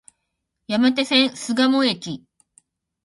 山手線、巣鴨駅